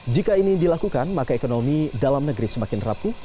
jika ini dilakukan maka ekonomi dalam negeri semakin rapuh